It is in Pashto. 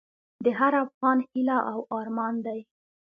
د هر افغان هیله او ارمان دی؛